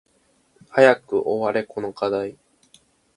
早く終われこの課題